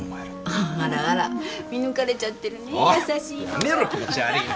あらあら見抜かれちゃってるね優しいのが。